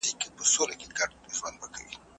دا کار له هغه ګټور دي؟!